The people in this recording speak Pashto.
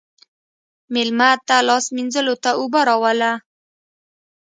مېلمه ته لاس مینځلو ته اوبه راوله.